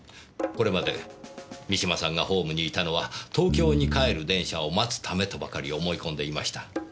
これまで三島さんがホームにいたのは東京に帰る電車を待つためとばかり思い込んでいました。